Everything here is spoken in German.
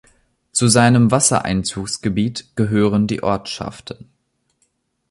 Zu seinem Wassereinzugsgebiet gehören die Ortschaften